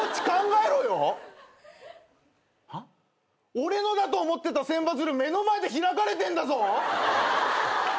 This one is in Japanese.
俺のだと思ってた千羽鶴目の前で開かれてんだぞ！？